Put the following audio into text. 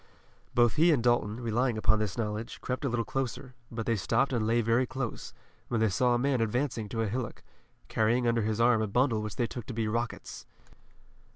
Both he and Dalton, relying upon this knowledge, crept a little closer, but they stopped and lay very close, when they saw a man advancing to a hillock, carrying under his arm a bundle which they took to be rockets.